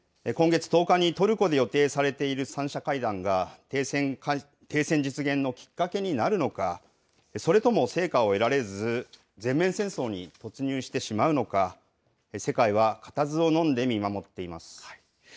今月１０日にトルコで予定されている３者会談が、停戦実現のきっかけになるのか、それとも成果を得られず、全面戦争に突入してしまうのか、世界は固唾をのんで見守っています。